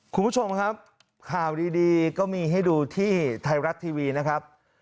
คุณผู้ชมครับข่าวดีก็มีให้ดูที่ไทยรัฐทีวีนะครับ